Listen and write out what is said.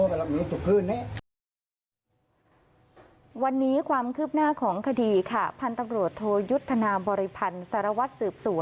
ป็อกจิงคุนว่ากำลังพังเป็นอย่างนี้อยู่